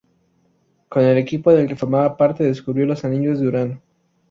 Con el equipo del que formaba parte descubrió los anillos de Urano.